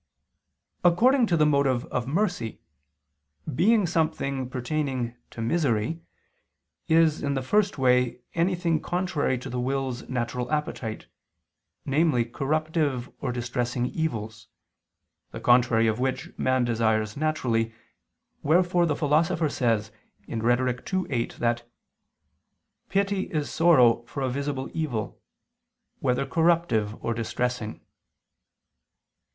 Accordingly the motive of mercy, being something pertaining to misery, is, in the first way, anything contrary to the will's natural appetite, namely corruptive or distressing evils, the contrary of which man desires naturally, wherefore the Philosopher says (Rhet. ii, 8) that "pity is sorrow for a visible evil, whether corruptive or distressing."